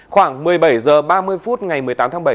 khoảng một mươi bảy h ba mươi phút ngày một mươi tám tháng bảy